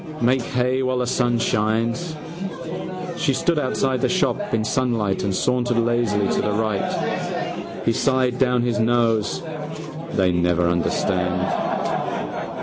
Make hay while the sun shines. She stood outside the shop in sunlight and sauntered lazily to the right. He sighed down his nose: they never understand.